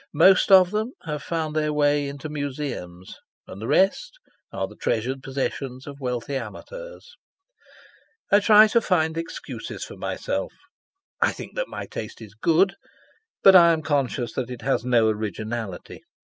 Most of them have found their way into museums, and the rest are the treasured possessions of wealthy amateurs. I try to find excuses for myself. I think that my taste is good, but I am conscious that it has no originality.